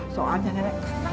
soalnya nenek kesel